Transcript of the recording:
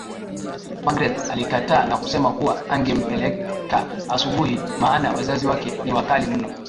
Magreth alikataa na kusema kuwa angempeleka asubuhi maana wazazi wake ni wakali mno